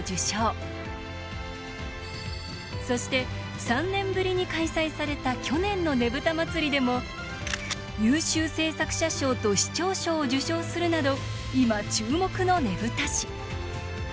そして３年ぶりに開催された優秀制作者賞と市長賞を受賞するなど今注目のねぶた師。